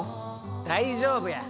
大丈夫や！